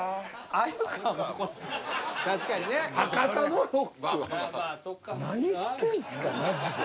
確かにね。何してんすかマジで。